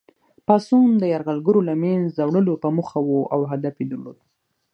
پاڅون د یرغلګرو له منځه وړلو په موخه وو او هدف یې درلود.